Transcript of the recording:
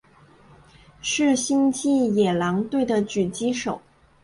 是星际野狼队的狙击手。